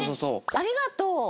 「ありがとう。